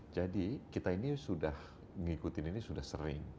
jadi kita ini sudah mengikuti ini sudah sering